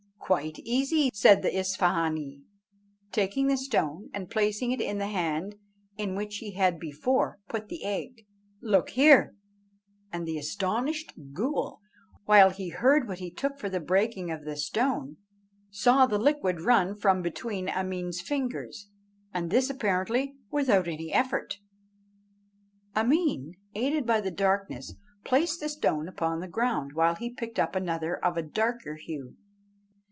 "Quite easy," said the Isfahânee, taking the stone and placing it in the hand in which he had before put the egg. "Look there!" And the astonished ghool, while he heard what he took for the breaking of the stone, saw the liquid run from between Ameen's fingers, and this apparently without any effort. Ameen, aided by the darkness, placed the stone upon the ground while he picked up another of a darker hue.